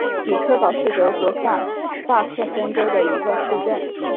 比克堡是德国下萨克森州的一个市镇。